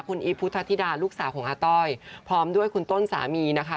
คุณอีฟพุทธธิดาลูกสาวของอาต้อยพร้อมด้วยคุณต้นสามีนะคะ